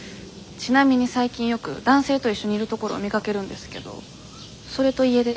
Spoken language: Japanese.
ちなみに最近よく男性と一緒にいるところを見かけるんですけどそれと家出って。